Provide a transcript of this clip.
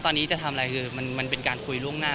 ตัวนี้จะเข้าไปร่างบันบันดีครับ